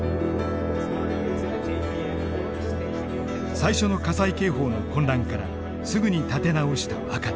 最初の火災警報の混乱からすぐに立て直した若田。